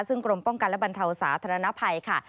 ซึ่งกรมป้องกันและบรรเทาสาธารณภัยค่ะ